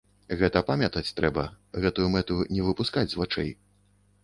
Гэта памятаць трэба, гэтую мэту не выпускаць з вачэй.